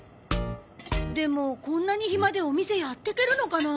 でもこんなに暇でお店やってけるのかな？